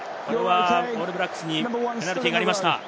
オールブラックスにペナルティーがありました。